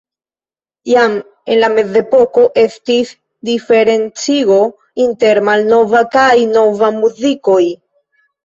Jam en la mezepoko estis diferencigo inter malnova kaj nova muzikoj.